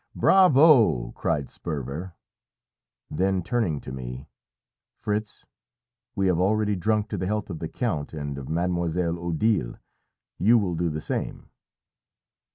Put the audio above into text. "Bravo!" cried Sperver. Then turning to me "Fritz, we have already drunk to the health of the count and of Mademoiselle Odile; you will do the same."